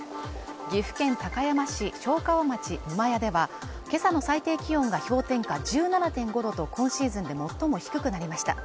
岐阜県高山市荘川町六厩ではけさの最低気温が氷点下１７．５度と今シーズンで最も低くなりました